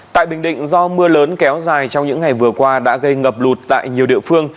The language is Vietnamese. tại bình định do mưa lớn kéo dài trong những ngày vừa qua đã gây ngập lụt tại nhiều địa phương